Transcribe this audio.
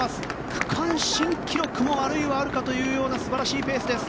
区間新記録もあるいはあるかという素晴らしいペースです。